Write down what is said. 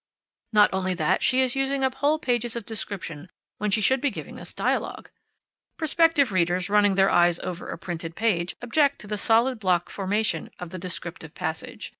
Not only that, she is using up whole pages of description when she should be giving us dialogue. Prospective readers, running their eyes over a printed page, object to the solid block formation of the descriptive passage.